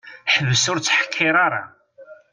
Ḥbes ur ttḥerrik ara!